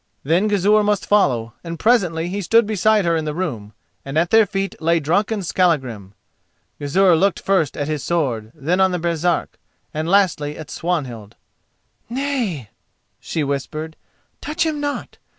Then Gizur must follow, and presently he stood beside her in the room, and at their feet lay drunken Skallagrim. Gizur looked first at his sword, then on the Baresark, and lastly at Swanhild. "Nay," she whispered, "touch him not.